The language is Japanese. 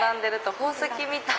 宝石みたい。